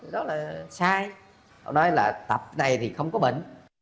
rất là sai nói là tập này thì không có bệnh